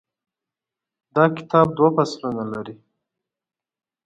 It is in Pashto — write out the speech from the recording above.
دا کتاب دوه فصلونه لري.